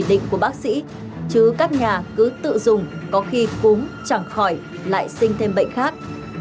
định của bác sĩ chứ các nhà cứ tự dùng có khi cúm chẳng khỏi lại sinh thêm bệnh khác